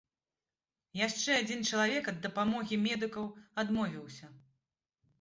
Яшчэ адзін чалавек ад дапамогі медыкаў адмовіўся.